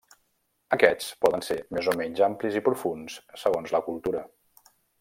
Aquests poden ser més o menys amplis i profunds segons la cultura.